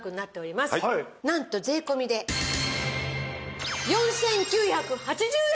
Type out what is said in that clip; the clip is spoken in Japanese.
なんと税込で４９８０円！